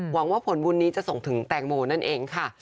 หวังว่าผลบุญนี้จะส่งถึงแตงโมนั่นเองค่ะ